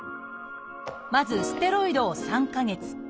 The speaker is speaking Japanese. まずステロイドを３か月。